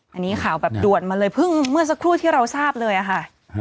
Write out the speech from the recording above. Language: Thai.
อันนี้ข่าวแบบด่วนมาเลยเพิ่งเมื่อสักครู่ที่เราทราบเลยอะค่ะ